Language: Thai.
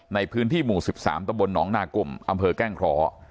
ในพื้นที่หมู่๑๓ตะบลน้องนากุ่มอำเภอแกล้งคล้อ